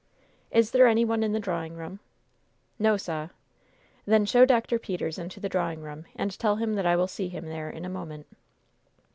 "Is there any one in the drawing room?" "No, sah." "Then show Dr. Peters into the drawing room, and tell him that I will see him there in a moment."